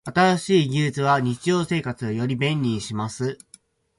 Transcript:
新しい技術は日常生活をより便利にします。